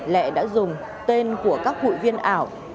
lệ đã dùng tên của các hội viên ảo